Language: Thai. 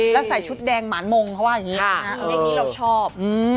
แล้วใส่ชุดแดงหมานมงเพราะว่าอย่างนี้เราชอบ